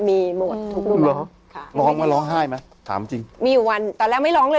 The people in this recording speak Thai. มีหมดทุกรูปค่ะร้องว่าร้องไห้ไหมถามจริงมีอยู่วันตอนแรกไม่ร้องเลย